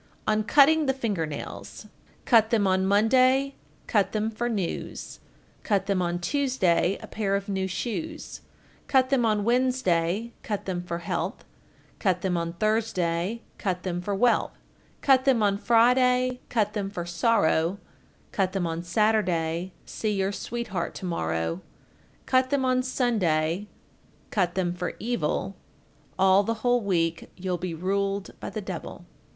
On cutting the finger nails: Cut them on Monday, cut them for news, Cut them on Tuesday, a pair of new shoes, Cut them on Wednesday, cut them for health, Cut them on Thursday, cut them for wealth, Cut them on Friday, cut them for sorrow, Cut them on Saturday, see your sweetheart to morrow, Cut them on Sunday, cut them for evil, All the whole week you'll be ruled by the devil.